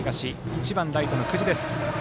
１番、ライトの久慈です。